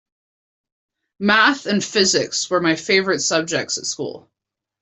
Maths and physics were my favourite subjects at school